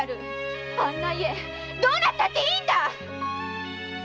あんな家どうなったっていいんだ‼